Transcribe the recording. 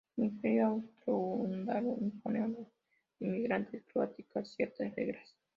El Imperio austrohúngaro imponía a los inmigrantes croatas ciertas reglas.